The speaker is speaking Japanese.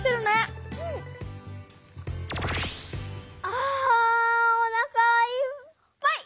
あおなかいっぱい！